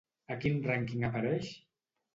A quin rànquing apareix?